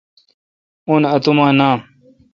اون اتوما نام۔